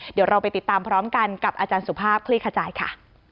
เดี๋ยวเราไปติดตามพร้อมกันกับอาจารย์สุภาพคลี่ขจายค่ะ